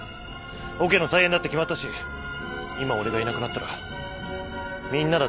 オケの再演だって決まったし今俺がいなくなったらみんなだって困るだろうし。